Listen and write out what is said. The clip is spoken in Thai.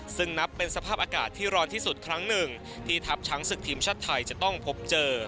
ซึ่งนับเป็นสภาพอากาศที่ร้อนที่สุดครั้งหนึ่งที่ทัพช้างศึกทีมชาติไทยจะต้องพบเจอ